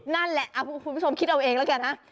นั่นแหละคุณผู้ชมคิดเอาเองแล้วกันนะ